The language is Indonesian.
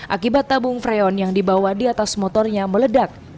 akibat tabung freon yang dibawa di atas motornya meledak